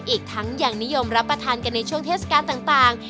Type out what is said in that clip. อีกทั้งยังนิยมรับประทานกันในช่วงเทศกาลต่าง